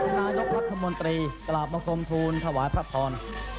นายกรัฐมนตรีกลับมาคมทูลถวายพระพร